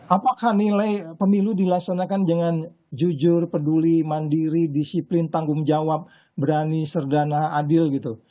apakah nilai pemilu dilaksanakan dengan jujur peduli mandiri disiplin tanggung jawab berani serdana adil gitu